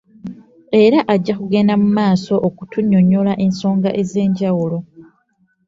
Era ajja kugenda mu maaso okutunnyonnyola ensonga ez'enjawulo.